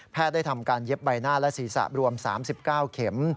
ได้ทำการเย็บใบหน้าและศีรษะรวม๓๙เข็ม